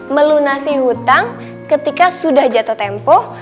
melunasi hutang ketika sudah jatuh tempoh